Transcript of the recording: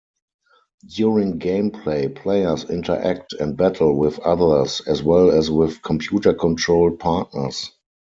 During gameplay, players interact and battle with others, as well as with computer-controlled partners.